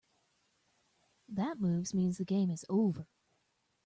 That move means the game is over.